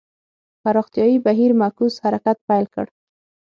پراختیايي بهیر معکوس حرکت پیل کړ.